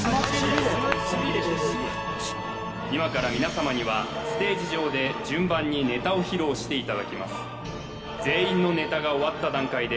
今から皆様にはステージ上で順番にネタを披露していただきます